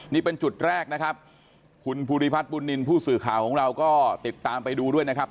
นี่เป็นจุดแรกนะครับคุณภูริพัฒน์บุญนินทร์ผู้สื่อข่าวของเราก็ติดตามไปดูด้วยนะครับ